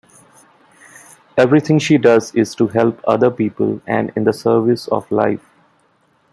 Everything she does is to help other people and in the service of life.